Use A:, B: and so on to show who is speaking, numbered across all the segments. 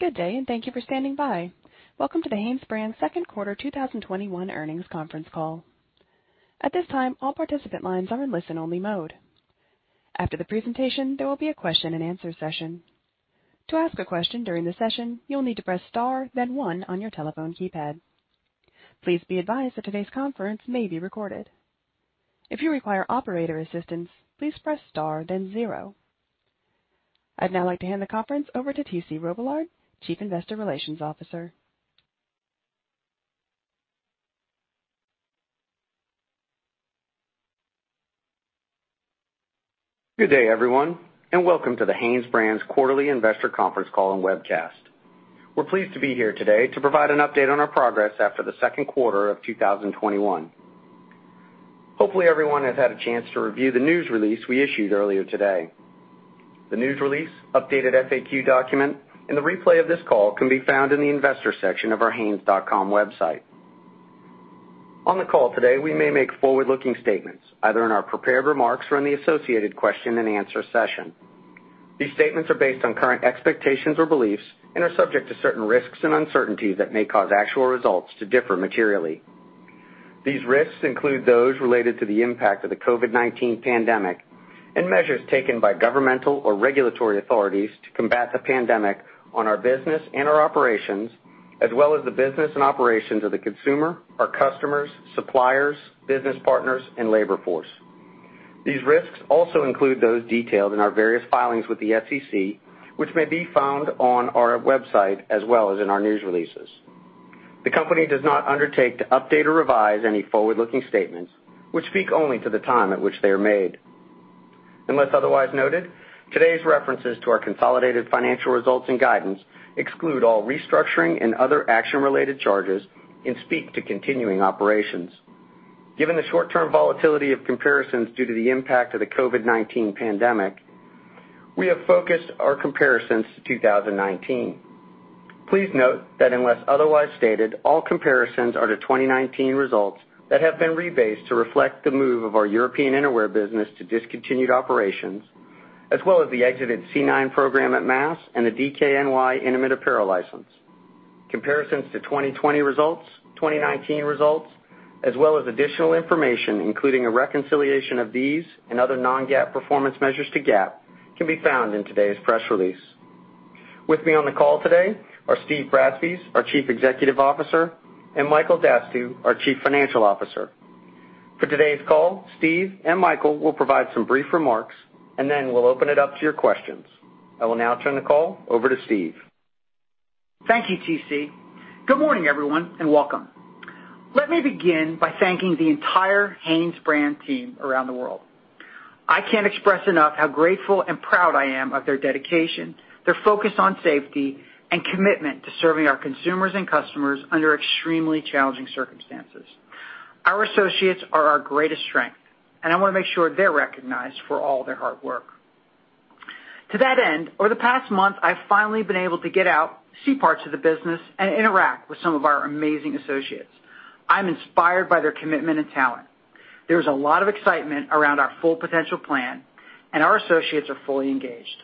A: Good day. Thank you for standing by. Welcome to the HanesBrands second quarter 2021 earnings conference call. At this time, all participant lines are in listen only mode. After the presentation, there will be a question and answer session. To ask a question during the session, you'll need to press star, then one on your telephone keypad. Please be advised that today's conference may be recorded. If you require operator assistance, please press star, then zero. I'd now like to hand the conference over to T.C. Robillard, Chief Investor Relations Officer.
B: Good day, everyone, and welcome to the HanesBrands quarterly investor conference call and webcast. We're pleased to be here today to provide an update on our progress after the second quarter 2021. Hopefully, everyone has had a chance to review the news release we issued earlier today. The news release, updated FAQ document, and the replay of this call can be found in the Investors section of our hanes.com website. On the call today, we may make forward-looking statements, either in our prepared remarks or in the associated question and answer session. These statements are based on current expectations or beliefs and are subject to certain risks and uncertainties that may cause actual results to differ materially. These risks include those related to the impact of the COVID-19 pandemic and measures taken by governmental or regulatory authorities to combat the pandemic on our business and our operations, as well as the business and operations of the consumer, our customers, suppliers, business partners, and labor force. These risks also include those detailed in our various filings with the SEC, which may be found on our website as well as in our news releases. The company does not undertake to update or revise any forward-looking statements, which speak only to the time at which they are made. Unless otherwise noted, today's references to our consolidated financial results and guidance exclude all restructuring and other action-related charges and speak to continuing operations. Given the short-term volatility of comparisons due to the impact of the COVID-19 pandemic, we have focused our comparisons to 2019. Please note that unless otherwise stated, all comparisons are to 2019 results that have been rebased to reflect the move of our European innerwear business to discontinued operations, as well as the exited C9 program at Mass and the DKNY intimate apparel license. Comparisons to 2020 results, 2019 results, as well as additional information, including a reconciliation of these and other non-GAAP performance measures to GAAP, can be found in today's press release. With me on the call today are Steve Bratspies, our chief executive officer, and Michael Dastugue, our chief financial officer. For today's call, Steve and Michael will provide some brief remarks, and then we'll open it up to your questions. I will now turn the call over to Steve.
C: Thank you, T.C. Good morning, everyone, welcome. Let me begin by thanking the entire HanesBrands team around the world. I can't express enough how grateful and proud I am of their dedication, their focus on safety, and commitment to serving our consumers and customers under extremely challenging circumstances. Our associates are our greatest strength. I want to make sure they're recognized for all their hard work. To that end, over the past month, I've finally been able to get out, see parts of the business, and interact with some of our amazing associates. I'm inspired by their commitment and talent. There's a lot of excitement around our full potential plan. Our associates are fully engaged.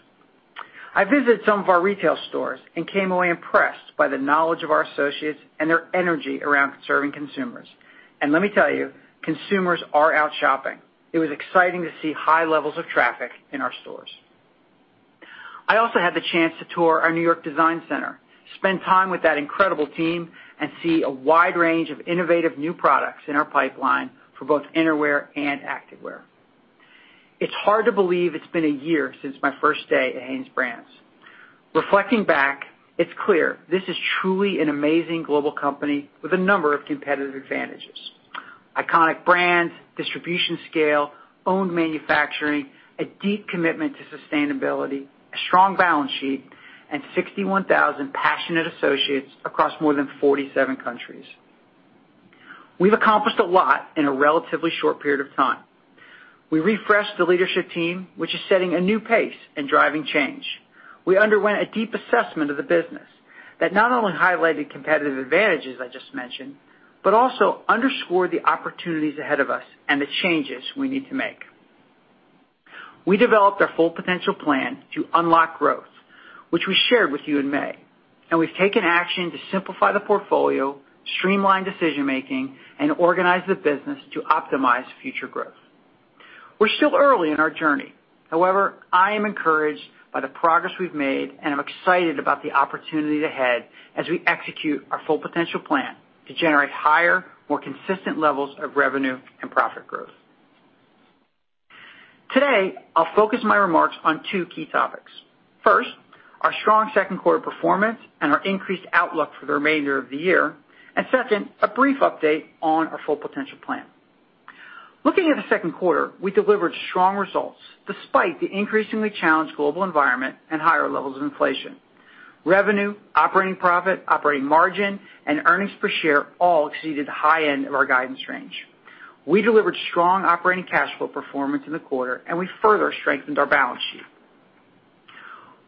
C: I visited some of our retail stores and came away impressed by the knowledge of our associates and their energy around serving consumers. Let me tell you, consumers are out shopping. It was exciting to see high levels of traffic in our stores. I also had the chance to tour our New York design center, spend time with that incredible team, and see a wide range of innovative new products in our pipeline for both innerwear and activewear. It's hard to believe it's been a year since my first day at HanesBrands. Reflecting back, it's clear this is truly an amazing global company with a number of competitive advantages. Iconic brands, distribution scale, owned manufacturing, a deep commitment to sustainability, a strong balance sheet, and 61,000 passionate associates across more than 47 countries. We've accomplished a lot in a relatively short period of time. We refreshed the leadership team, which is setting a new pace and driving change. We underwent a deep assessment of the business that not only highlighted competitive advantages I just mentioned, but also underscored the opportunities ahead of us and the changes we need to make. We developed our Full Potential Plan to unlock growth, which we shared with you in May. We've taken action to simplify the portfolio, streamline decision-making, and organize the business to optimize future growth. We're still early in our journey. However, I am encouraged by the progress we've made, and I'm excited about the opportunity ahead as we execute our Full Potential Plan to generate higher, more consistent levels of revenue and profit growth. Today, I'll focus my remarks on two key topics. First, our strong second quarter performance and our increased outlook for the remainder of the year. Second, a brief update on our Full Potential Plan. Looking at the second quarter, we delivered strong results despite the increasingly challenged global environment and higher levels of inflation. Revenue, operating profit, operating margin, and earnings per share all exceeded the high end of our guidance range. We delivered strong operating cash flow performance in the quarter, and we further strengthened our balance sheet.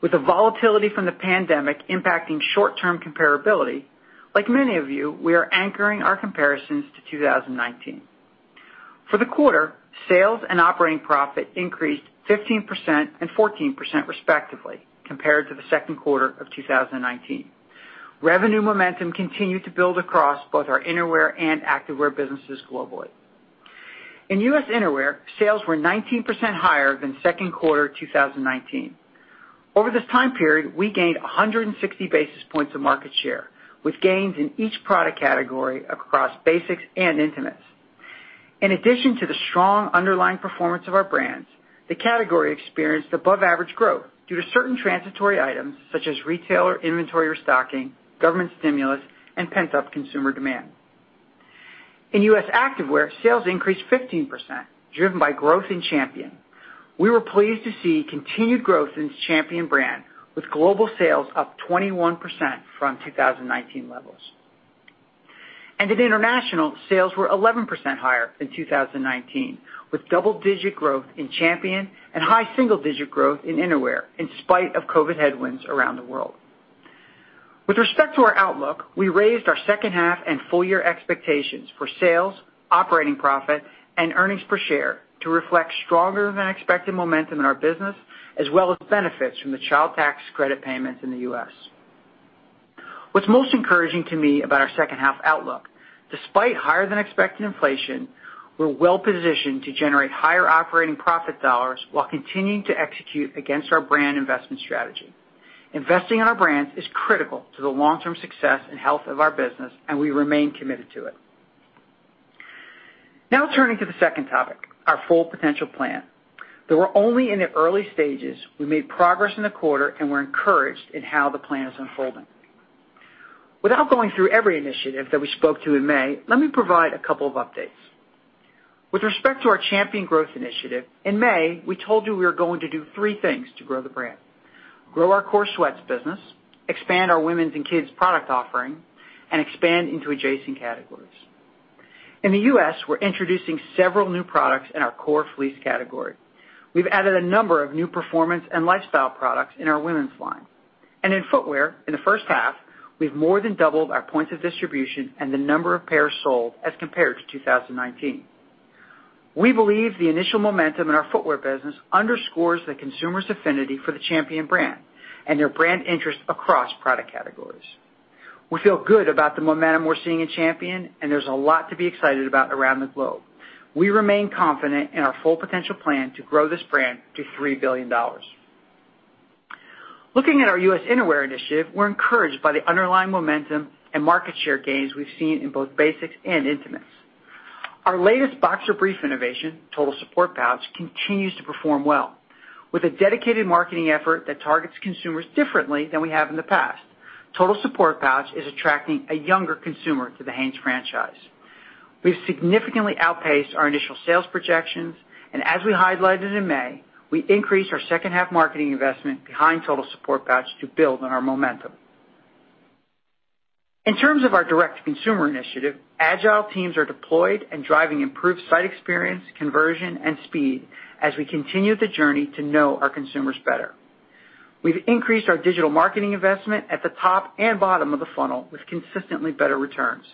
C: With the volatility from the pandemic impacting short-term comparability, like many of you, we are anchoring our comparisons to 2019. For the quarter, sales and operating profit increased 15% and 14%, respectively, compared to the second quarter of 2019. Revenue momentum continued to build across both our innerwear and activewear businesses globally. In U.S. innerwear, sales were 19% higher than second quarter 2019. Over this time period, we gained 160 basis points of market share with gains in each product category across basics and intimates. In addition to the strong underlying performance of our brands, the category experienced above-average growth due to certain transitory items such as retailer inventory restocking, government stimulus, and pent-up consumer demand. In U.S. activewear, sales increased 15%, driven by growth in Champion. We were pleased to see continued growth in the Champion brand, with global sales up 21% from 2019 levels. At international, sales were 11% higher than 2019, with double-digit growth in Champion and high single-digit growth in innerwear, in spite of COVID headwinds around the world. With respect to our outlook, we raised our second half and full-year expectations for sales, operating profit, and earnings per share to reflect stronger than expected momentum in our business, as well as benefits from the child tax credit payments in the U.S. What's most encouraging to me about our second half outlook, despite higher than expected inflation, we're well-positioned to generate higher operating profit dollars while continuing to execute against our brand investment strategy. Investing in our brands is critical to the long-term success and health of our business, and we remain committed to it. Turning to the second topic, our Full Potential Plan. Though we're only in the early stages, we made progress in the quarter, and we're encouraged in how the plan is unfolding. Without going through every initiative that we spoke to in May, let me provide a couple of updates. With respect to our Champion Growth Initiative, in May, we told you we were going to do three things to grow the brand, grow our core sweats business, expand our women's and kids' product offering, and expand into adjacent categories. In the U.S., we're introducing several new products in our core fleece category. We've added a number of new performance and lifestyle products in our women's line. In footwear, in the first half, we've more than doubled our points of distribution and the number of pairs sold as compared to 2019. We believe the initial momentum in our footwear business underscores the consumer's affinity for the Champion brand and their brand interest across product categories. We feel good about the momentum we're seeing in Champion, there's a lot to be excited about around the globe. We remain confident in our full potential plan to grow this brand to $3 billion. Looking at our U.S. innerwear initiative, we're encouraged by the underlying momentum and market share gains we've seen in both basics and intimates. Our latest boxer brief innovation, Total Support Pouch, continues to perform well. With a dedicated marketing effort that targets consumers differently than we have in the past, Total Support Pouch is attracting a younger consumer to the Hanes franchise. We've significantly outpaced our initial sales projections, and as we highlighted in May, we increased our second half marketing investment behind Total Support Pouch to build on our momentum. In terms of our direct consumer initiative, agile teams are deployed and driving improved site experience, conversion, and speed as we continue the journey to know our consumers better. We've increased our digital marketing investment at the top and bottom of the funnel with consistently better returns.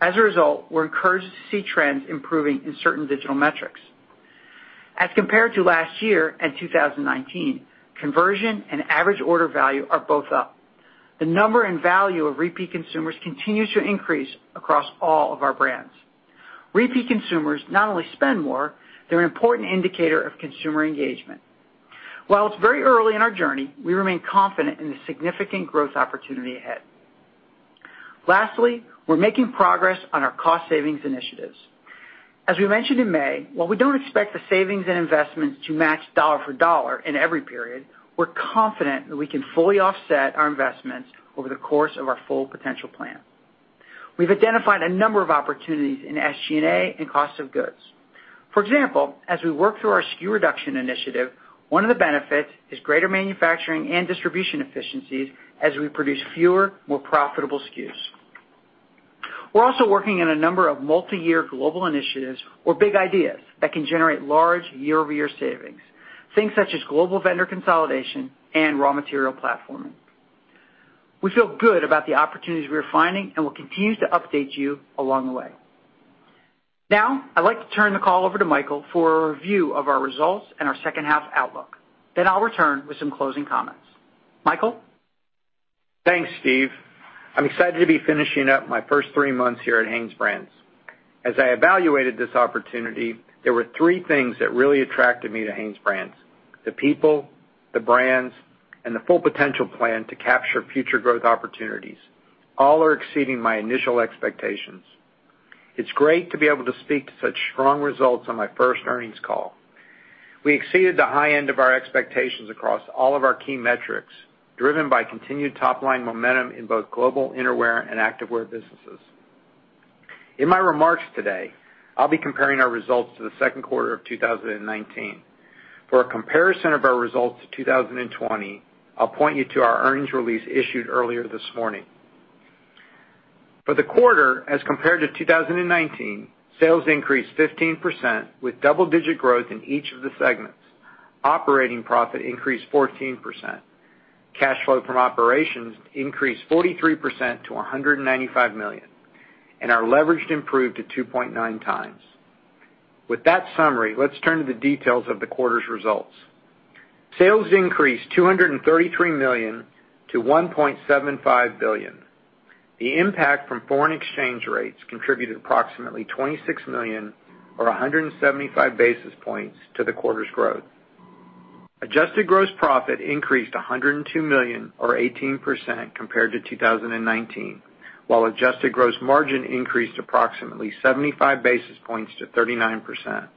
C: As a result, we're encouraged to see trends improving in certain digital metrics. As compared to last year and 2019, conversion and average order value are both up. The number and value of repeat consumers continues to increase across all of our brands. Repeat consumers not only spend more, they're an important indicator of consumer engagement. While it's very early in our journey, we remain confident in the significant growth opportunity ahead. Lastly, we're making progress on our cost savings initiatives. As we mentioned in May, while we don't expect the savings and investments to match dollar for dollar in every period, we're confident that we can fully offset our investments over the course of our full potential plan. We've identified a number of opportunities in SG&A and cost of goods. For example, as we work through our SKU reduction initiative, one of the benefits is greater manufacturing and distribution efficiencies as we produce fewer, more profitable SKUs. We're also working on a number of multi-year global initiatives or big ideas that can generate large year-over-year savings, things such as global vendor consolidation and raw material platform. We feel good about the opportunities we're finding and will continue to update you along the way. I'd like to turn the call over to Michael for a review of our results and our second half outlook. I'll return with some closing comments. Michael?
D: Thanks, Steve. I'm excited to be finishing up my first three months here at HanesBrands. As I evaluated this opportunity, there were three things that really attracted me to HanesBrands, the people, the brands, and the full potential plan to capture future growth opportunities. All are exceeding my initial expectations. It's great to be able to speak to such strong results on my first earnings call. We exceeded the high end of our expectations across all of our key metrics, driven by continued top-line momentum in both global innerwear and activewear businesses. In my remarks today, I'll be comparing our results to the second quarter of 2019. For a comparison of our results to 2020, I'll point you to our earnings release issued earlier this morning. For the quarter as compared to 2019, sales increased 15% with double-digit growth in each of the segments. Operating profit increased 14%. Cash flow from operations increased 43% to $195 million and our leverage improved to 2.9x. With that summary, let's turn to the details of the quarter's results. Sales increased $233 million to $1.75 billion. The impact from foreign exchange rates contributed approximately $26 million or 175 basis points to the quarter's growth. Adjusted gross profit increased $102 million or 18% compared to 2019. While adjusted gross margin increased approximately 75 basis points to 39%.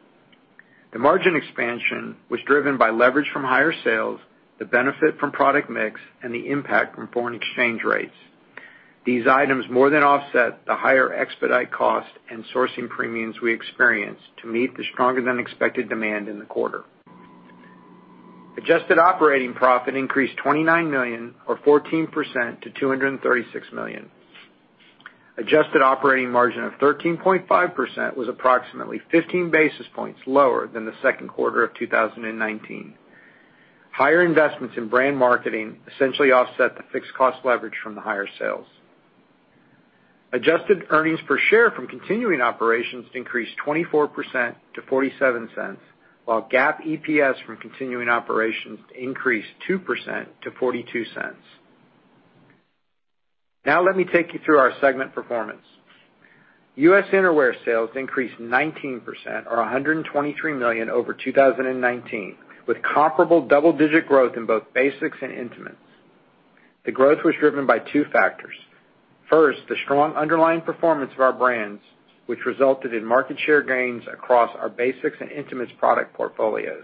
D: The margin expansion was driven by leverage from higher sales, the benefit from product mix, and the impact from foreign exchange rates. These items more than offset the higher expedite cost and sourcing premiums we experienced to meet the stronger than expected demand in the quarter. Adjusted operating profit increased $29 million or 14% to $236 million. Adjusted operating margin of 13.5% was approximately 15 basis points lower than the second quarter of 2019. Higher investments in brand marketing essentially offset the fixed cost leverage from the higher sales. Adjusted earnings per share from continuing operations increased 24% to $0.47, while GAAP EPS from continuing operations increased 2% to $0.42. Now let me take you through our segment performance. U.S. Innerwear sales increased 19% or $123 million over 2019, with comparable double-digit growth in both basics and intimates. The growth was driven by two factors. First, the strong underlying performance of our brands, which resulted in market share gains across our basics and intimates product portfolios.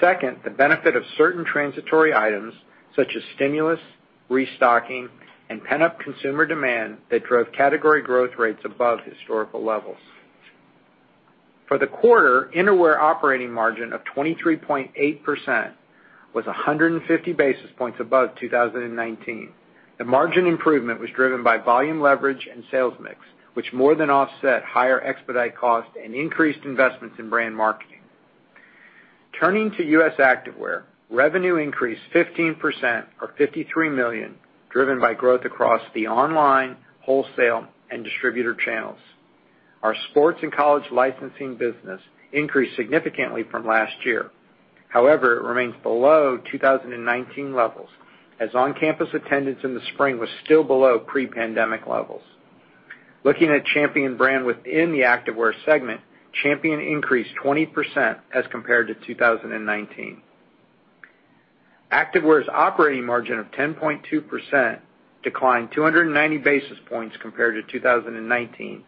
D: Second, the benefit of certain transitory items such as stimulus, restocking, and pent-up consumer demand that drove category growth rates above historical levels. For the quarter, Innerwear operating margin of 23.8% was 150 basis points above 2019. The margin improvement was driven by volume leverage and sales mix, which more than offset higher expedite cost and increased investments in brand marketing. Turning to U.S. activewear, revenue increased 15% or $53 million, driven by growth across the online, wholesale, and distributor channels. Our sports and college licensing business increased significantly from last year. However, it remains below 2019 levels, as on-campus attendance in the spring was still below pre-pandemic levels. Looking at Champion brand within the activewear segment, Champion increased 20% as compared to 2019. Activewear's operating margin of 10.2% declined 290 basis points compared to 2019,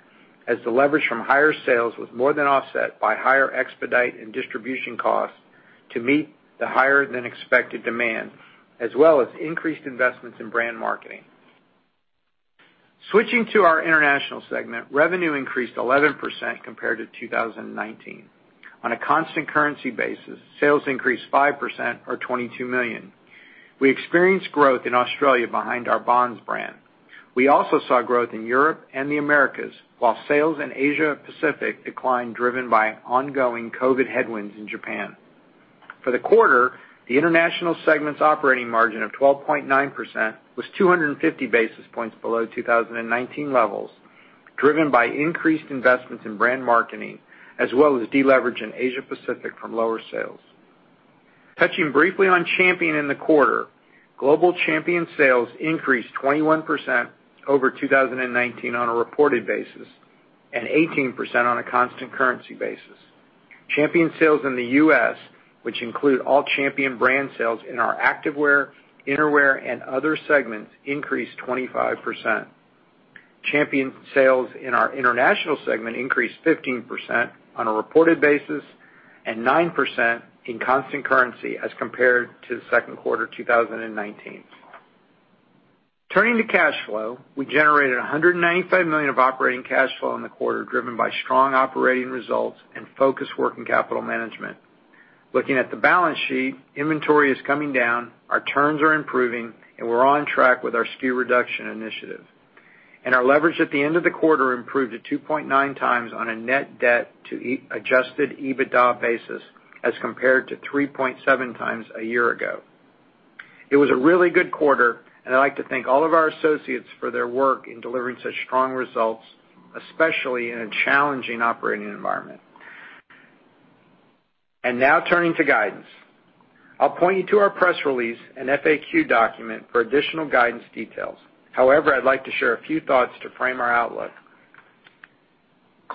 D: as the leverage from higher sales was more than offset by higher expedite and distribution costs to meet the higher than expected demand, as well as increased investments in brand marketing. Switching to our international segment, revenue increased 11% compared to 2019. On a constant currency basis, sales increased 5% or $22 million. We experienced growth in Australia behind our Bonds brand. We also saw growth in Europe and the Americas, while sales in Asia Pacific declined, driven by ongoing COVID headwinds in Japan. For the quarter, the international segment's operating margin of 12.9% was 250 basis points below 2019 levels, driven by increased investments in brand marketing, as well as deleverage in Asia Pacific from lower sales. Touching briefly on Champion in the quarter, global Champion sales increased 21% over 2019 on a reported basis and 18% on a constant currency basis. Champion sales in the U.S., which include all Champion brand sales in our activewear, innerwear, and other segments, increased 25%. Champion sales in our international segment increased 15% on a reported basis and 9% in constant currency as compared to the second quarter 2019. Turning to cash flow, we generated $195 million of operating cash flow in the quarter, driven by strong operating results and focused working capital management. Looking at the balance sheet, inventory is coming down, our turns are improving, and we're on track with our SKU reduction initiative. Our leverage at the end of the quarter improved to 2.9x on a net debt to adjusted EBITDA basis as compared to 3.7x a year ago. It was a really good quarter, and I'd like to thank all of our associates for their work in delivering such strong results, especially in a challenging operating environment. Now turning to guidance. I'll point you to our press release and FAQ document for additional guidance details. However, I'd like to share a few thoughts to frame our outlook.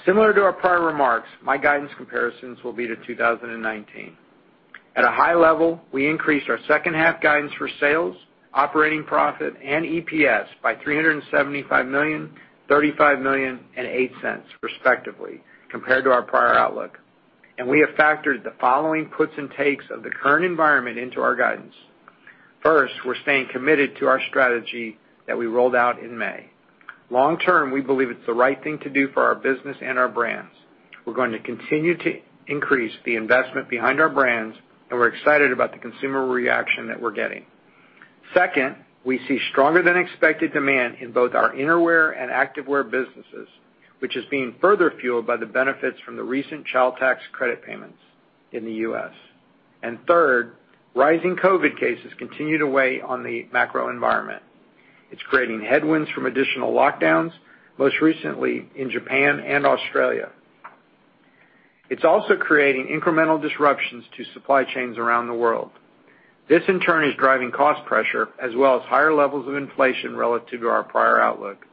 D: Similar to our prior remarks, my guidance comparisons will be to 2019. At a high level, we increased our second half guidance for sales, operating profit, and EPS by $375 million, $35 million, and $0.08 respectively compared to our prior outlook. We have factored the following puts and takes of the current environment into our guidance. First, we're staying committed to our strategy that we rolled out in May. Long term, we believe it's the right thing to do for our business and our brands. We're going to continue to increase the investment behind our brands, and we're excited about the consumer reaction that we're getting. Second, we see stronger than expected demand in both our innerwear and activewear businesses, which is being further fueled by the benefits from the recent child tax credit payments in the U.S. Third, rising COVID cases continue to weigh on the macro environment. It's creating headwinds from additional lockdowns, most recently in Japan and Australia. It's also creating incremental disruptions to supply chains around the world. This, in turn, is driving cost pressure as well as higher levels of inflation relative to our prior outlook.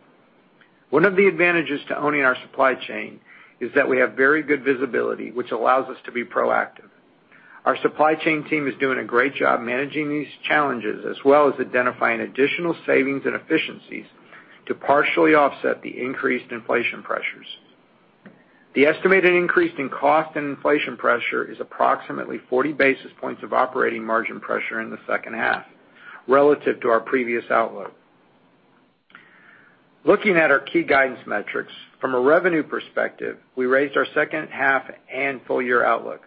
D: One of the advantages to owning our supply chain is that we have very good visibility, which allows us to be proactive. Our supply chain team is doing a great job managing these challenges, as well as identifying additional savings and efficiencies to partially offset the increased inflation pressures. The estimated increase in cost and inflation pressure is approximately 40 basis points of operating margin pressure in the second half relative to our previous outlook. Looking at our key guidance metrics, from a revenue perspective, we raised our second half and full year outlook.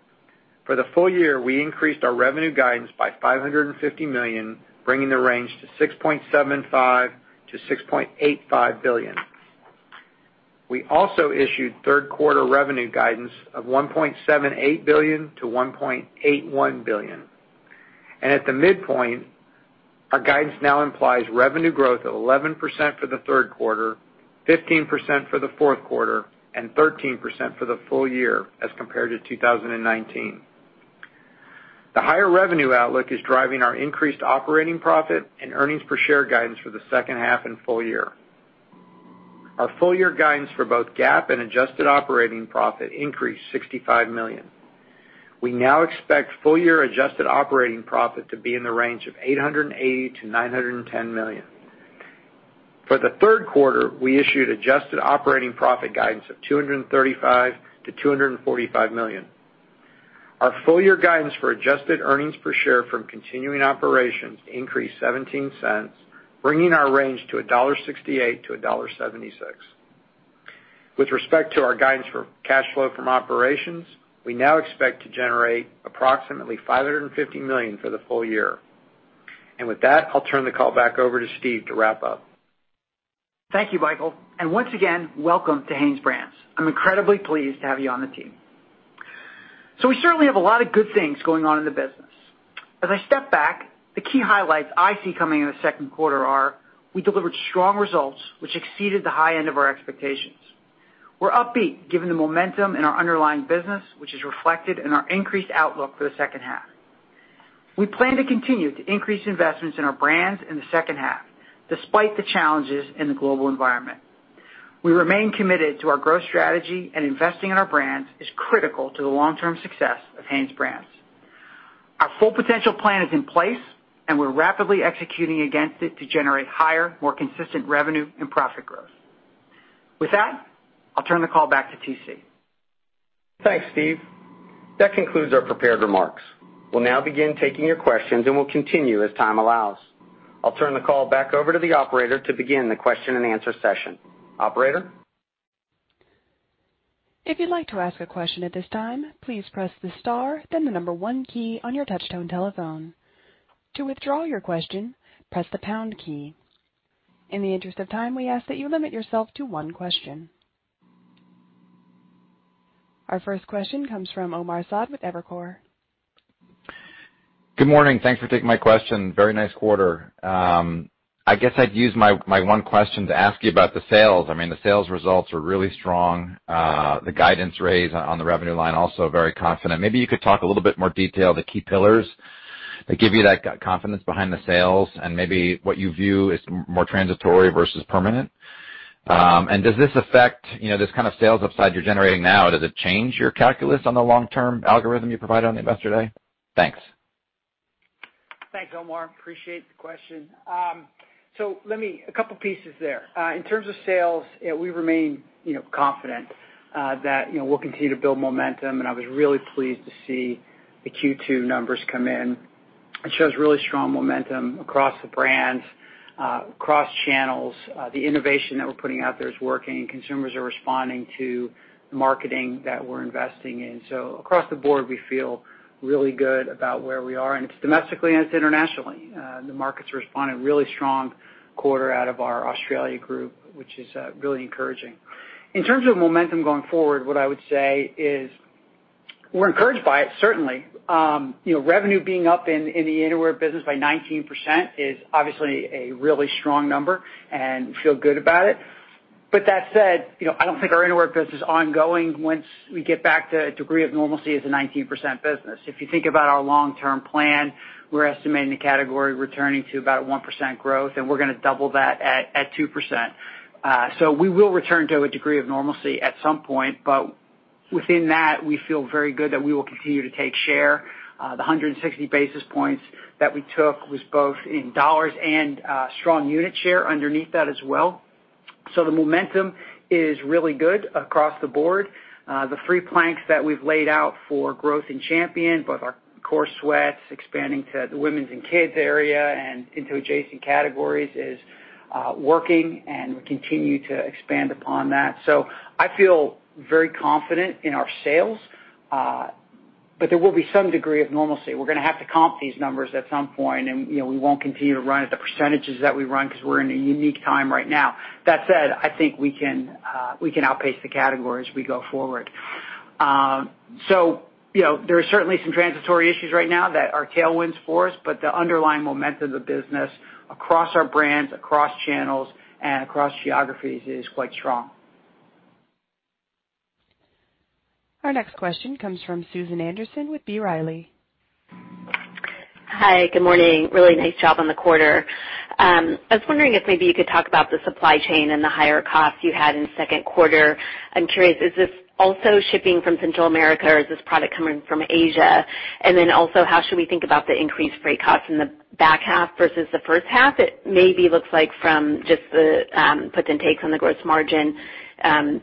D: For the full year, we increased our revenue guidance by $550 million, bringing the range to $6.75 billion-$6.85 billion. We also issued third quarter revenue guidance of $1.78 billion-$1.81 billion. At the midpoint, our guidance now implies revenue growth of 11% for the third quarter, 15% for the fourth quarter, and 13% for the full year as compared to 2019. The higher revenue outlook is driving our increased operating profit and earnings per share guidance for the second half and full year. Our full year guidance for both GAAP and adjusted operating profit increased $65 million. We now expect full year adjusted operating profit to be in the range of $880 million-$910 million. For the third quarter, we issued adjusted operating profit guidance of $235 million-$245 million. Our full year guidance for adjusted earnings per share from continuing operations increased $0.17, bringing our range to $1.68-$1.76. With respect to our guidance for cash flow from operations, we now expect to generate approximately $550 million for the full year. With that, I'll turn the call back over to Steve to wrap up.
C: Thank you, Michael, and once again, welcome to HanesBrands. I'm incredibly pleased to have you on the team. We certainly have a lot of good things going on in the business. As I step back, the key highlights I see coming in the second quarter are we delivered strong results, which exceeded the high end of our expectations. We're upbeat given the momentum in our underlying business, which is reflected in our increased outlook for the second half. We plan to continue to increase investments in our brands in the second half, despite the challenges in the global environment. We remain committed to our growth strategy, and investing in our brands is critical to the long-term success of HanesBrands. Our full potential plan is in place, and we're rapidly executing against it to generate higher, more consistent revenue and profit growth. With that, I'll turn the call back to T.C.
B: Thanks, Steve. That concludes our prepared remarks. We'll now begin taking your questions, and we'll continue as time allows. I'll turn the call back over to the operator to begin the question and answer session. Operator?
A: If you'd like to ask a question at this time, please press the star, then the number one key on your touchtone telephone. To withdraw your question, press the pound key. In the interest of time, we ask that you limit yourself to one question. Our first question comes from Omar Saad with Evercore.
E: Good morning. Thanks for taking my question. Very nice quarter. I guess I'd use my one question to ask you about the sales. I mean, the sales results are really strong. The guidance raise on the revenue line, also very confident. Maybe you could talk a little bit more detail, the key pillars that give you that confidence behind the sales and maybe what you view as more transitory versus permanent. Does this affect, this kind of sales upside you're generating now, does it change your calculus on the long-term algorithm you provide on the investor day? Thanks.
C: Thanks, Omar. Appreciate the question. A couple pieces there. In terms of sales, we remain confident that we'll continue to build momentum, and I was really pleased to see the Q2 numbers come in. It shows really strong momentum across the brands, across channels. The innovation that we're putting out there is working. Consumers are responding to marketing that we're investing in. Across the board, we feel really good about where we are, and it's domestically and it's internationally. The market's responded really strong quarter out of our Australia group, which is really encouraging. In terms of momentum going forward, what I would say is we're encouraged by it, certainly. Revenue being up in the innerwear business by 19% is obviously a really strong number, and we feel good about it. That said, I don't think our innerwear business is ongoing once we get back to a degree of normalcy as a 19% business. If you think about our long-term plan, we're estimating the category returning to about 1% growth, and we're going to double that at 2%. We will return to a degree of normalcy at some point. Within that, we feel very good that we will continue to take share. The 160 basis points that we took was both in dollars and strong unit share underneath that as well. The momentum is really good across the board. The three planks that we've laid out for growth in Champion, both our core sweats, expanding to the women's and kids area and into adjacent categories, is working, and we continue to expand upon that. I feel very confident in our sales. There will be some degree of normalcy. We're going to have to comp these numbers at some point, and we won't continue to run at the percentages that we run because we're in a unique time right now. That said, I think we can outpace the category as we go forward. There are certainly some transitory issues right now that are tailwinds for us, but the underlying momentum of the business across our brands, across channels, and across geographies is quite strong.
A: Our next question comes from Susan Anderson with B. Riley.
F: Hi. Good morning. Really nice job on the quarter. I was wondering if maybe you could talk about the supply chain and the higher costs you had in the second quarter. I'm curious, is this also shipping from Central America, or is this product coming from Asia? How should we think about the increased freight costs in the back half versus the first half? It maybe looks like from just the puts and takes on the gross margin,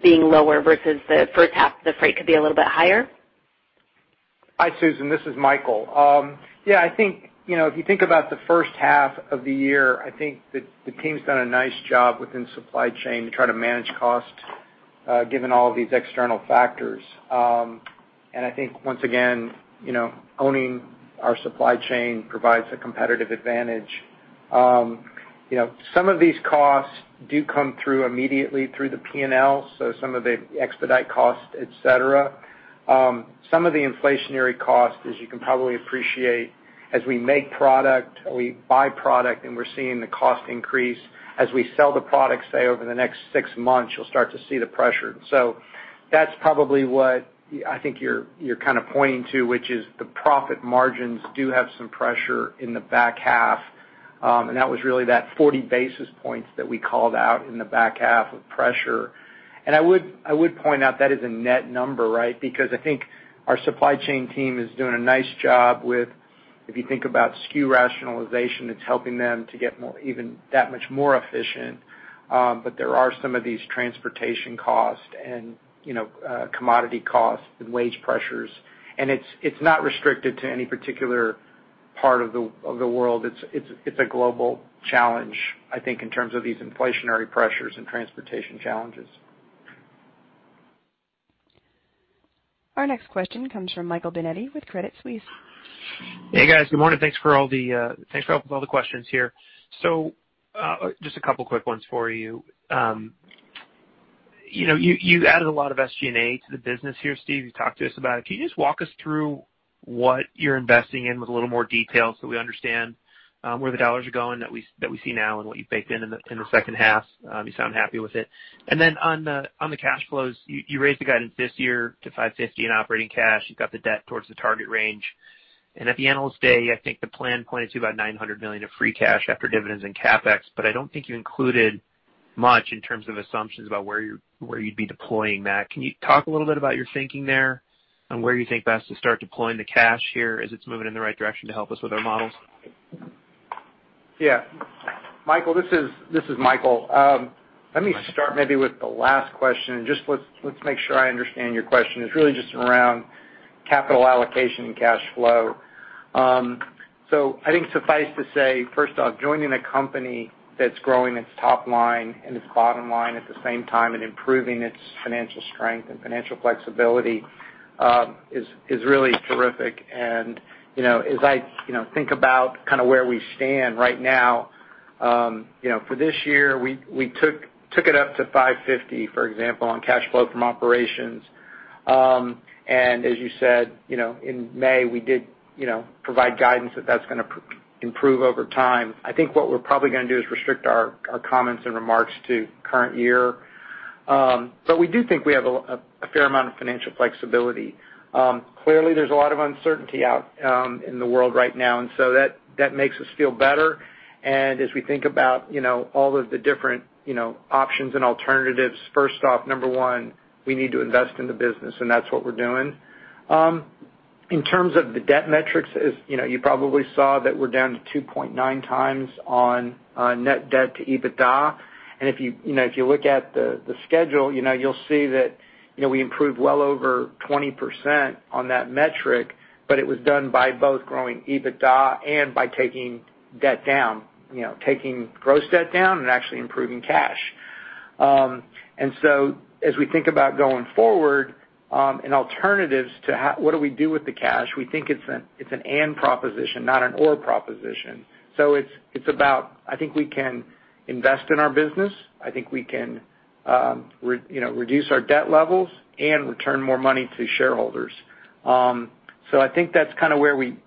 F: being lower versus the first half, the freight could be a little bit higher.
D: Hi, Susan. This is Michael. If you think about the first half of the year, I think the team's done a nice job within the supply chain to try to manage costs, given all of these external factors. I think, once again, owning our supply chain provides a competitive advantage. Some of these costs do come through immediately through the P&L, so some of the expedite costs, et cetera. Some of the inflationary costs, as you can probably appreciate, as we make product, we buy product, and we're seeing the cost increase. As we sell the product, say, over the next six months, you'll start to see the pressure. That's probably what I think you're kind of pointing to, which is the profit margins do have some pressure in the back half. That was really that 40 basis points that we called out in the back half of pressure. I would point out that is a net number, right? Because I think our supply chain team is doing a nice job with, if you think about SKU rationalization, it's helping them to get even that much more efficient. There are some of these transportation costs and commodity costs and wage pressures, and it's not restricted to any particular part of the world. It's a global challenge, I think, in terms of these inflationary pressures and transportation challenges.
A: Our next question comes from Michael Binetti with Credit Suisse.
G: Hey, guys. Good morning. Thanks for all the questions here. Just a couple of quick ones for you. You added a lot of SG&A to the business here, Steve. You talked to us about it. Can you just walk us through what you're investing in with a little more detail so we understand where the dollars are going that we see now and what you've baked in the second half? You sound happy with it. On the cash flows, you raised the guidance this year to $550 in operating cash. You've got the debt towards the target range. At the Analyst Day, I think the plan pointed to about $900 million of free cash after dividends and CapEx, but I don't think you included much in terms of assumptions about where you'd be deploying that. Can you talk a little bit about your thinking there and where you think best to start deploying the cash here as it is moving in the right direction to help us with our models?
D: Yeah. Michael, this is Michael. Let me start maybe with the last question, and just let's make sure I understand your question. It's really just around capital allocation and cash flow. I think suffice to say, first off, joining a company that's growing its top line and its bottom line at the same time and improving its financial strength and financial flexibility, is really terrific. As I think about where we stand right now, for this year, we took it up to $550, for example, on cash flow from operations. As you said, in May, we did provide guidance that that's going to improve over time. I think what we're probably going to do is restrict our comments and remarks to the current year. We do think we have a fair amount of financial flexibility. Clearly, there's a lot of uncertainty out in the world right now. That makes us feel better. As we think about all of the different options and alternatives, first off, number one, we need to invest in the business, and that's what we're doing. In terms of the debt metrics, as you probably saw, that we're down to 2.9x on net debt to EBITDA. If you look at the schedule, you'll see that we improved well over 20% on that metric, but it was done by both growing EBITDA and by taking debt down. Taking gross debt down and actually improving cash. As we think about going forward and alternatives to what do we do with the cash, we think it's an and proposition, not an or proposition. It's about, I think we can invest in our business. I think we can reduce our debt levels and return more money to shareholders. I think that's kind of where we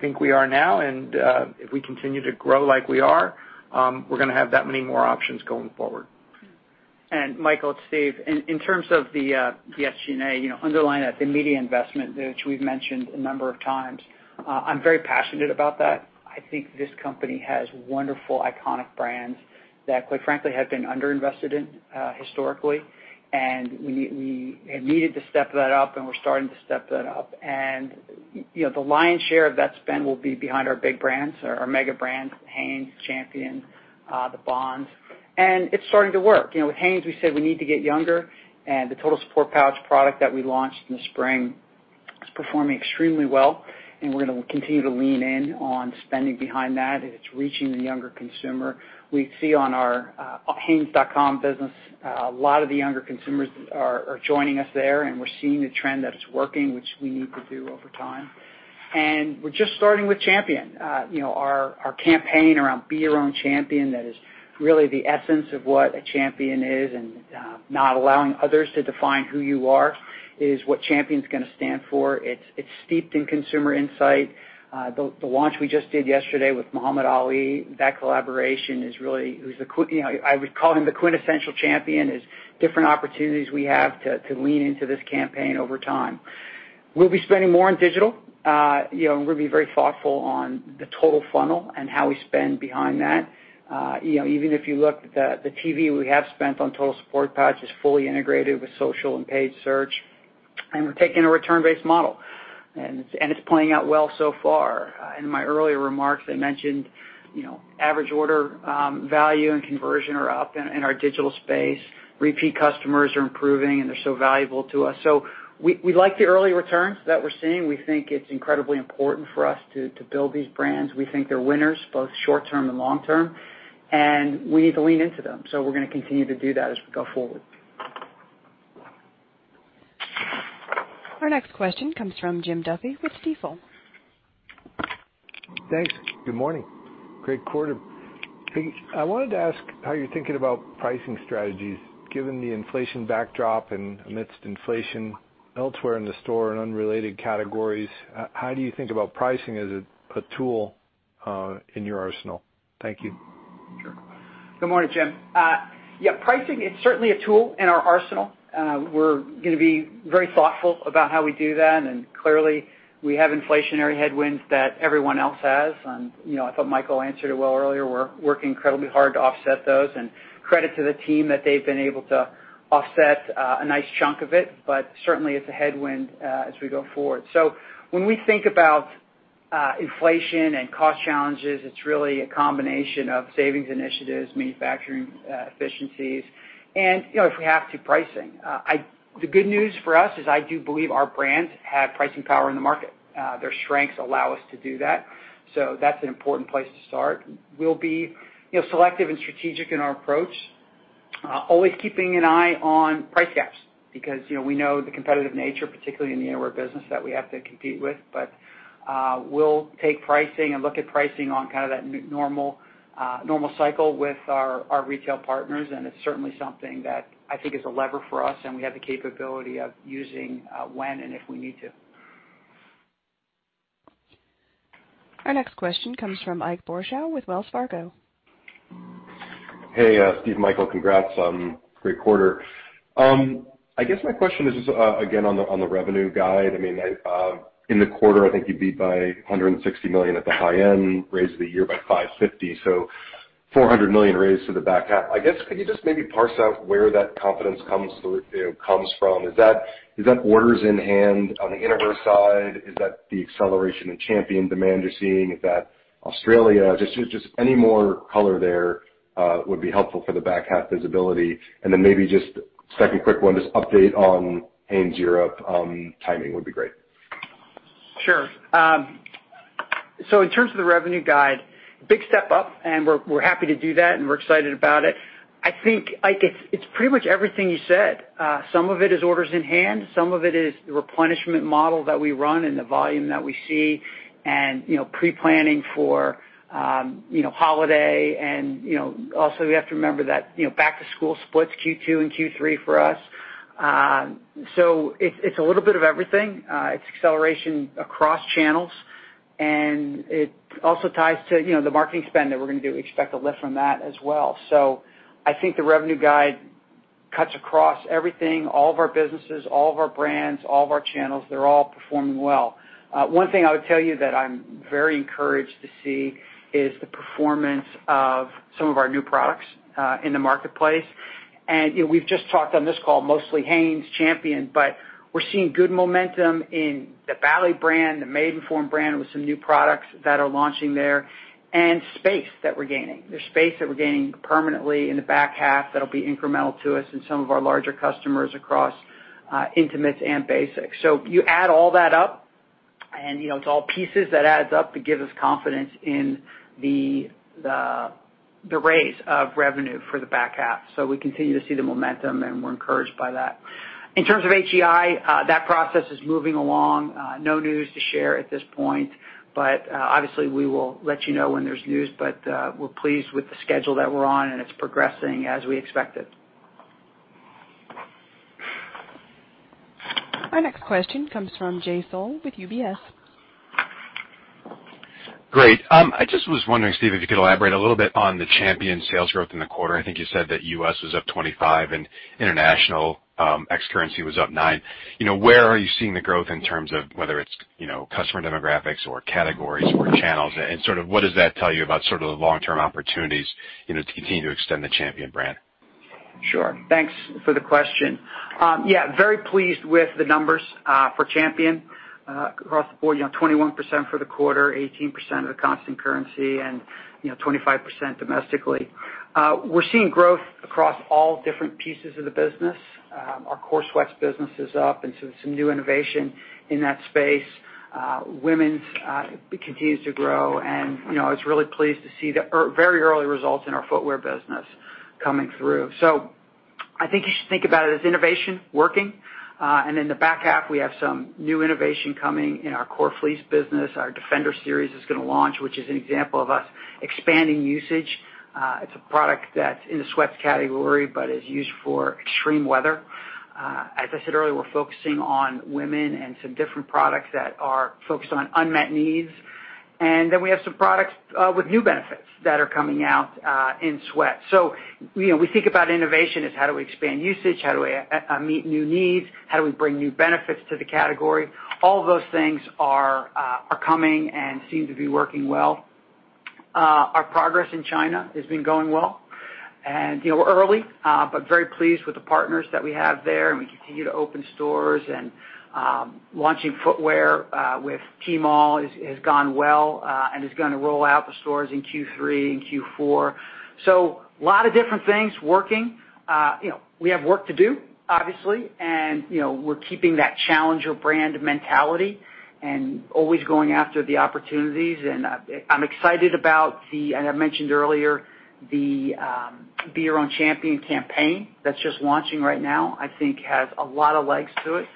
D: think we are now, and if we continue to grow like we are, we're going to have that many more options going forward.
C: Michael, it's Steve. In terms of the SG&A, underlying that, the media investment, which we've mentioned a number of times, I'm very passionate about that. I think this company has wonderful, iconic brands that, quite frankly, have been underinvested in historically. We have needed to step that up, and we're starting to step that up. The lion's share of that spend will be behind our big brands, our mega brands, Hanes, Champion, the Bonds. It's starting to work. With Hanes, we said we need to get younger, and the Total Support Pouch product that we launched in the spring is performing extremely well. We're going to continue to lean in on spending behind that. It's reaching the younger consumer. We see on our hanes.com business, a lot of the younger consumers are joining us there, and we're seeing the trend that it's working, which we need to do over time. We're just starting with Champion. Our campaign around Be Your Own Champion, that is really the essence of what a champion is, and not allowing others to define who you are is what Champion's going to stand for. It's steeped in consumer insight. The launch we just did yesterday with Muhammad Ali, that collaboration is really, I would call him the quintessential champion. There's different opportunities we have to lean into this campaign over time. We'll be spending more on digital. We're going to be very thoughtful on the total funnel and how we spend behind that. Even if you look at the TV we have spent on Total Support Pouch is fully integrated with social and paid search. We're taking a return-based model, and it's playing out well so far. In my earlier remarks, I mentioned average order value and conversion are up in our digital space. Repeat customers are improving, and they're so valuable to us. We like the early returns that we're seeing. We think it's incredibly important for us to build these brands. We think they're winners, both short term and long term, and we need to lean into them. We're going to continue to do that as we go forward.
A: Our next question comes from Jim Duffy with Stifel.
H: Thanks. Good morning. Great quarter. I wanted to ask how you're thinking about pricing strategies. Given the inflation backdrop and amidst inflation elsewhere in the store and unrelated categories, how do you think about pricing as a tool in your arsenal? Thank you.
C: Sure. Good morning, Jim. Yeah, pricing is certainly a tool in our arsenal. We're going to be very thoughtful about how we do that. Clearly, we have inflationary headwinds that everyone else has. I thought Michael answered it well earlier. We're working incredibly hard to offset those, and credit to the team that they've been able to offset a nice chunk of it, but certainly, it's a headwind as we go forward. When we think about inflation and cost challenges, it's really a combination of savings initiatives, manufacturing efficiencies, and if we have to, pricing. The good news for us is I do believe our brands have pricing power in the market. Their strengths allow us to do that. That's an important place to start. We'll be selective and strategic in our approach, always keeping an eye on price gaps because we know the competitive nature, particularly in the innerwear business that we have to compete with. But we'll take pricing and look at pricing on that normal cycle with our retail partners, and it's certainly something that I think is a lever for us, and we have the capability of using when and if we need to.
A: Our next question comes from Ike Boruchow with Wells Fargo.
I: Hey, Steve and Michael, congrats. Great quarter. I guess my question is just again on the revenue guide. In the quarter, I think you beat by $160 million at the high end, raised the year by $550, so $400 million raised to the back half. I guess, could you just maybe parse out where that confidence comes from? Is that orders in hand on the innerwear side? Is that the acceleration in Champion demand you're seeing? Is that Australia? Just any more color there would be helpful for the back half visibility. Then maybe just second quick one, just update on Hanes Europe timing would be great.
C: In terms of the revenue guide, big step up, and we're happy to do that, and we're excited about it. I think, Ike, it's pretty much everything you said. Some of it is orders in hand. Some of it is the replenishment model that we run and the volume that we see and pre-planning for holiday. Also, we have to remember that back to school splits Q2 and Q3 for us. It's a little bit of everything. It's acceleration across channels, and it also ties to the marketing spend that we're going to do. We expect a lift from that as well. I think the revenue guide cuts across everything, all of our businesses, all of our brands, all of our channels. They're all performing well. One thing I would tell you that I'm very encouraged to see is the performance of some of our new products in the marketplace. We've just talked on this call mostly Hanes, Champion, but we're seeing good momentum in the Bali brand, the Maidenform brand with some new products that are launching there, and space that we're gaining. There's space that we're gaining permanently in the back half that'll be incremental to us and some of our larger customers across intimates and basics. You add all that up, and it's all pieces that adds up to give us confidence in the raise of revenue for the back half. We continue to see the momentum, and we're encouraged by that. In terms of HEI, that process is moving along. No news to share at this point, obviously, we will let you know when there's news. We're pleased with the schedule that we're on, and it's progressing as we expected.
A: Our next question comes from Jay Sole with UBS.
J: Great. I just was wondering, Steve, if you could elaborate a little bit on the Champion sales growth in the quarter. I think you said that U.S. was up 25% and international ex currency was up 9%. Where are you seeing the growth in terms of whether it's customer demographics or categories or channels? What does that tell you about the long-term opportunities to continue to extend the Champion brand?
C: Sure. Thanks for the question. Yeah, very pleased with the numbers for Champion across the board, 21% for the quarter, 18% of the constant currency and 25% domestically. We're seeing growth across all different pieces of the business. Our core sweats business is up and so some new innovation in that space. Women's continues to grow, and I was really pleased to see the very early results in our footwear business coming through. I think you should think about it as innovation working. In the back half, we have some new innovation coming in our core fleece business. Our Defender series is going to launch, which is an example of us expanding usage. It's a product that's in the sweats category, but is used for extreme weather. As I said earlier, we're focusing on women and some different products that are focused on unmet needs. We have some products with new benefits that are coming out in sweats. We think about innovation as how do we expand usage, how do we meet new needs, how do we bring new benefits to the category. All those things are coming and seem to be working well. Our progress in China has been going well, and we're early, but very pleased with the partners that we have there. We continue to open stores and launching footwear, with Tmall, has gone well, and is going to roll out the stores in Q3 and Q4. A lot of different things working. We have work to do, obviously. We're keeping that challenger brand mentality and always going after the opportunities. I'm excited about the, and I mentioned earlier, the Be Your Own Champion campaign that's just launching right now, I think has a lot of legs to it.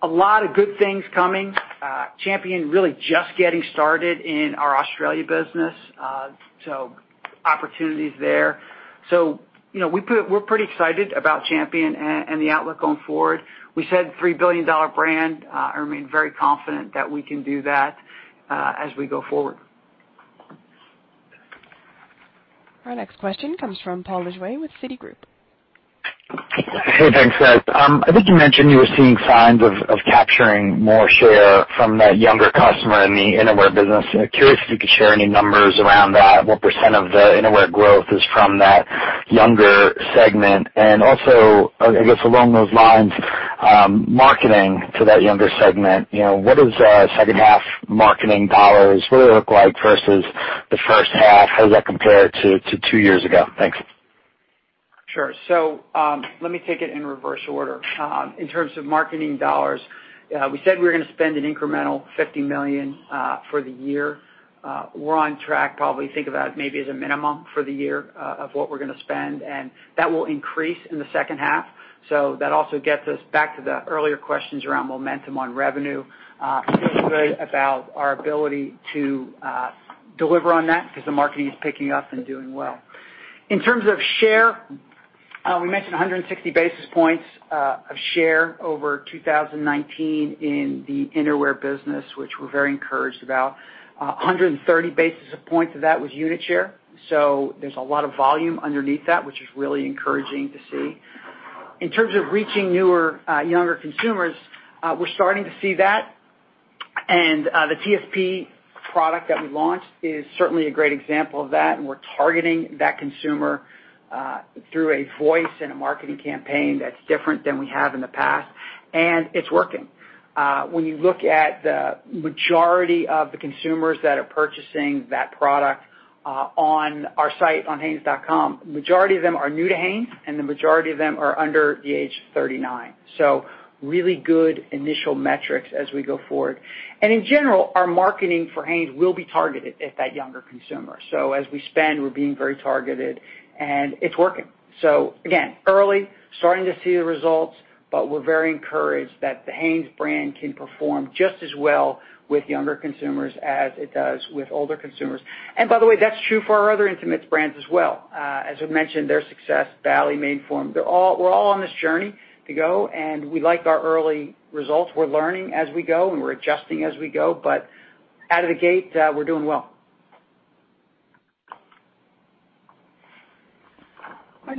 C: A lot of good things coming. Champion really just getting started in our Australia business. Opportunities there. We're pretty excited about Champion and the outlook going forward. We said $3 billion brand. I remain very confident that we can do that as we go forward.
A: Our next question comes from Paul Lejuez with Citigroup.
K: Hey, thanks. I think you mentioned you were seeing signs of capturing more share from the younger customer in the innerwear business. Curious if you could share any numbers around that. What percent of the innerwear growth is from that younger segment? I guess, along those lines, marketing to that younger segment, what is second half marketing dollars? What do they look like versus the first half? How does that compare to two years ago? Thanks.
C: Sure. Let me take it in reverse order. In terms of marketing dollars, we said we were going to spend an incremental $50 million for the year. We're on track, probably think about maybe as a minimum for the year of what we're going to spend, and that will increase in the second half. That also gets us back to the earlier questions around momentum on revenue. Feeling good about our ability to deliver on that because the marketing is picking up and doing well. In terms of share, we mentioned 160 basis points of share over 2019 in the innerwear business, which we're very encouraged about. 130 basis points of that was unit share. There's a lot of volume underneath that, which is really encouraging to see. In terms of reaching newer, younger consumers, we're starting to see that. The TSP product that we launched is certainly a great example of that, and we're targeting that consumer through a voice and a marketing campaign that's different than we have in the past, and it's working. When you look at the majority of the consumers that are purchasing that product on our site, on hanes.com, majority of them are new to Hanes, and the majority of them are under the age of 39. Really good initial metrics as we go forward. In general, our marketing for Hanes will be targeted at that younger consumer. As we spend, we're being very targeted and it's working. Again, early, starting to see the results, but we're very encouraged that the Hanes brand can perform just as well with younger consumers as it does with older consumers. By the way, that's true for our other intimates brands as well. As we've mentioned, their success, Bali, Maidenform, we're all on this journey to go, and we like our early results. We're learning as we go, and we're adjusting as we go, but out of the gate, we're doing well.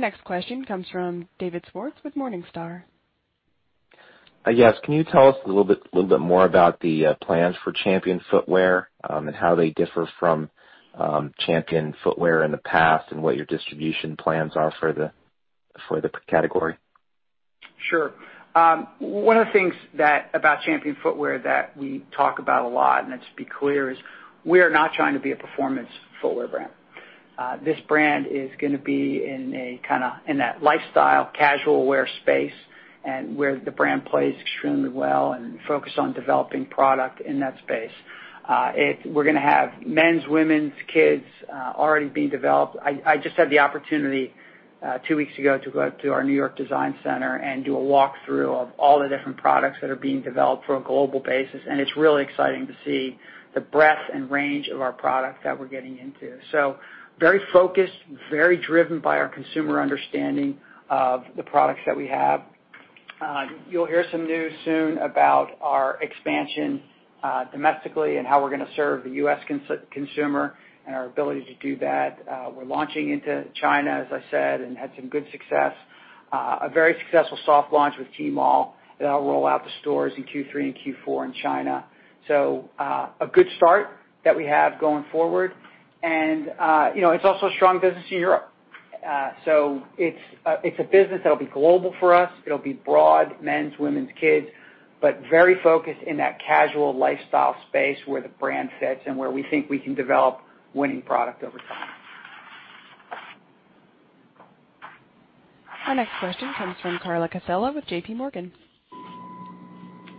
A: Our next question comes from David Swartz with Morningstar.
L: Yes. Can you tell us a little bit more about the plans for Champion footwear, and how they differ from Champion footwear in the past, and what your distribution plans are for the category?
C: Sure. One of the things about Champion footwear that we talk about a lot, let's be clear, is we are not trying to be a performance footwear brand. This brand is going to be in that lifestyle, casual wear space where the brand plays extremely well and focused on developing product in that space. We're going to have men's, women's, kids, already being developed. I just had the opportunity, two weeks ago, to go out to our New York design center and do a walkthrough of all the different products that are being developed for a global basis. It's really exciting to see the breadth and range of our product that we're getting into, very focused, very driven by our consumer understanding of the products that we have. You'll hear some news soon about our expansion domestically and how we're going to serve the U.S. consumer and our ability to do that. We're launching into China, as I said, had some good success. A very successful soft launch with Tmall that will roll out the stores in Q3 and Q4 in China. A good start that we have going forward. It's also a strong business in Europe. It's a business that'll be global for us. It'll be broad, men's, women's, kids, but very focused in that casual lifestyle space where the brand fits and where we think we can develop winning product over time.
A: Our next question comes from Carla Casella with JPMorgan.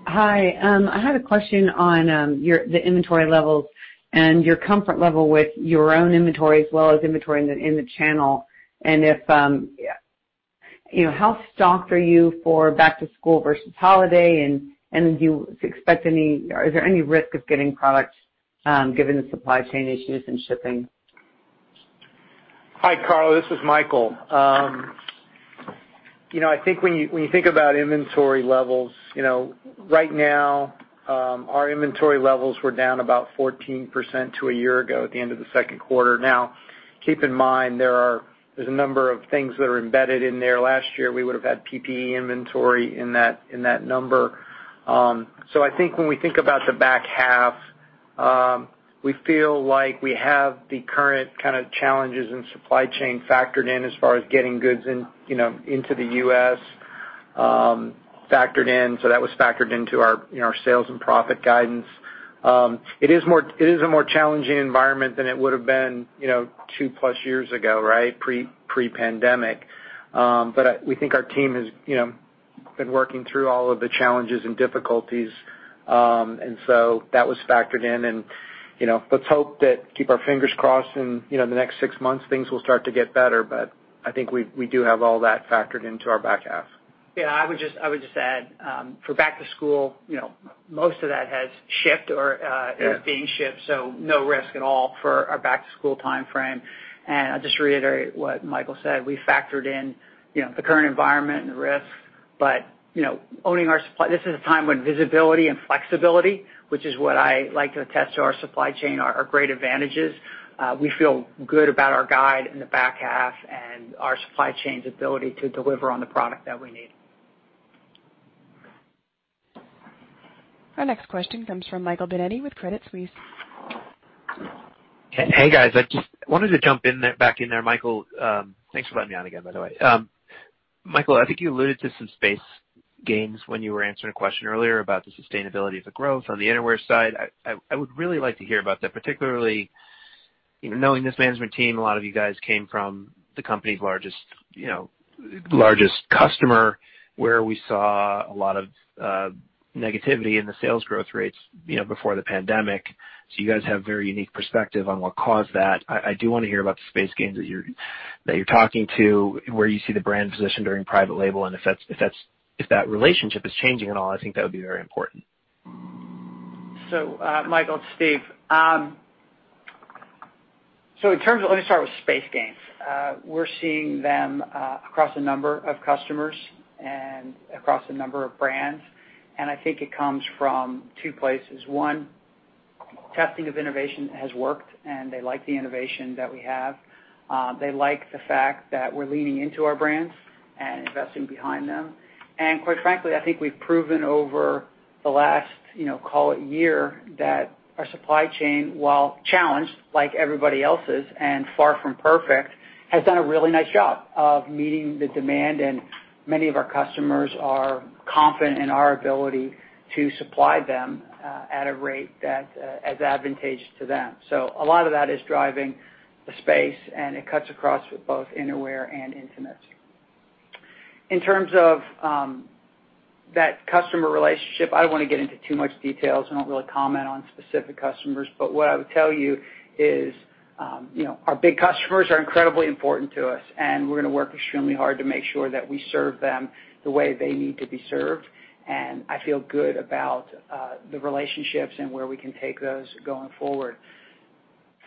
M: Hi. I had a question on the inventory levels and your comfort level with your own inventory as well as inventory in the channel. How stocked are you for back to school versus holiday, and is there any risk of getting products given the supply chain issues and shipping?
D: Hi, Carla. This is Michael. I think when you think about inventory levels, right now, our inventory levels were down about 14% to a year ago at the end of the second quarter. Now, keep in mind, there's a number of things that are embedded in there. Last year, we would've had PPE inventory in that number. I think when we think about the back half, we feel like we have the current kind of challenges in supply chain factored in as far as getting goods into the U.S. That was factored into our sales and profit guidance. It is a more challenging environment than it would've been 2+ years ago, right? Pre-pandemic. We think our team has been working through all of the challenges and difficulties. That was factored in and let's hope that, keep our fingers crossed, in the next six months, things will start to get better. I think we do have all that factored into our back half.
C: Yeah, I would just add, for back to school, most of that has shipped.
D: Yeah
C: is being shipped, so no risk at all for our back to school timeframe. I'll just reiterate what Michael said. We factored in the current environment and the risks. This is a time when visibility and flexibility, which is what I like to attest to our supply chain, are our great advantages. We feel good about our guide in the back half and our supply chain's ability to deliver on the product that we need.
A: Our next question comes from Michael Binetti with Credit Suisse.
G: Hey, guys. I just wanted to jump back in there. Michael, thanks for letting me on again, by the way. Michael, I think you alluded to some space gains when you were answering a question earlier about the sustainability of the growth on the innerwear side. I would really like to hear about that, particularly knowing this management team, a lot of you guys came from the company's largest customer, where we saw a lot of negativity in the sales growth rates before the pandemic. You guys have a very unique perspective on what caused that. I do want to hear about the space gains that you're talking to, where you see the brand positioned during private label, and if that relationship is changing at all, I think that would be very important.
C: Michael, it's Steve. Let me start with space gains. We're seeing them across a number of customers and across a number of brands, and I think it comes from two places. One, testing of innovation has worked, and they like the innovation that we have. They like the fact that we're leaning into our brands and investing behind them. Quite frankly, I think we've proven over the last call it year that our supply chain, while challenged like everybody else's and far from perfect, has done a really nice job of meeting the demand. Many of our customers are confident in our ability to supply them at a rate that is advantageous to them. A lot of that is driving the space, and it cuts across both innerwear and intimates. In terms of that customer relationship, I don't want to get into too much details. I don't really comment on specific customers. What I would tell you is our big customers are incredibly important to us, and we're gonna work extremely hard to make sure that we serve them the way they need to be served. I feel good about the relationships and where we can take those going forward.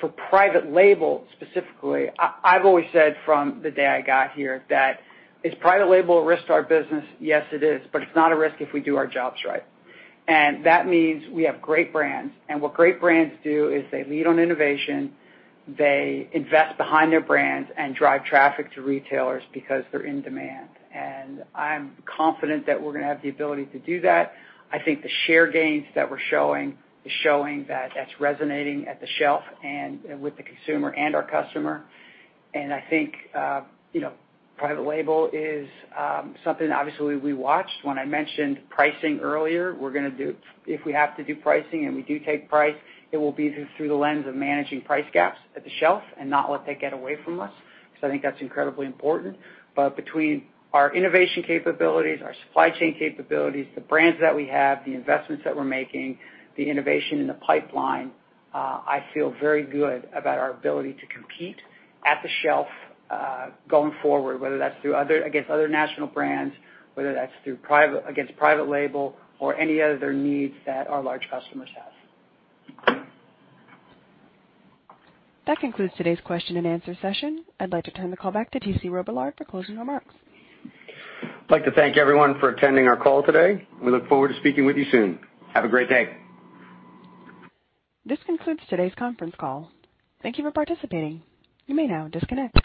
C: For private label specifically, I've always said from the day I got here that is private label a risk to our business? Yes, it is. It's not a risk if we do our jobs right. That means we have great brands. What great brands do is they lead on innovation, they invest behind their brands and drive traffic to retailers because they're in demand. I'm confident that we're gonna have the ability to do that. I think the share gains that we're showing is showing that that's resonating at the shelf and with the consumer and our customer. I think private label is something obviously we watched. When I mentioned pricing earlier, if we have to do pricing and we do take price, it will be through the lens of managing price gaps at the shelf and not let that get away from us, because I think that's incredibly important. Between our innovation capabilities, our supply chain capabilities, the brands that we have, the investments that we're making, the innovation in the pipeline, I feel very good about our ability to compete at the shelf going forward, whether that's against other national brands, whether that's against private label or any other needs that our large customers have.
A: That concludes today's question and answer session. I'd like to turn the call back to T.C. Robillard for closing remarks.
B: I'd like to thank everyone for attending our call today. We look forward to speaking with you soon. Have a great day.
A: This concludes today's conference call. Thank you for participating. You may now disconnect.